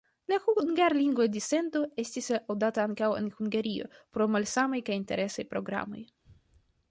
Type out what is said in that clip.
La hungarlingva dissendo estis aŭdata ankaŭ en Hungario pro la malsamaj kaj interesaj programoj.